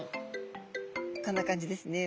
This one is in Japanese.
こんな感じですね